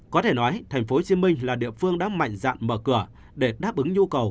có thể nói thành phố hồ chí minh là địa phương đã mạnh dạng mở cửa để đáp ứng nhu cầu